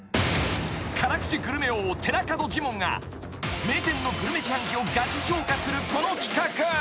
［辛口グルメ王寺門ジモンが名店のグルメ自販機をがち評価するこの企画］